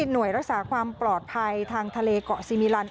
หน่วยรักษาความปลอดภัยทางทะเลเกาะซีมิลัน